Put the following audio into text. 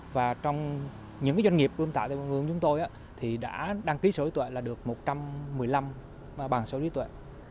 và trong những doanh nghiệp ưm tạo tại vườn ươm chúng tôi thì đã đăng ký số lý tuệ là được một trăm một mươi năm bằng số lý tuệ